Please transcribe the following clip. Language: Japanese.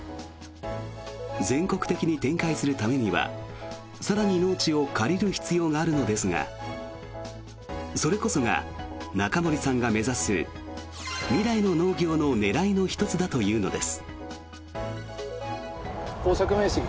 全国的に展開するためには更に農地を借りる必要があるのですがそれこそが中森さんが目指す未来の農業の狙いの１つだというのです。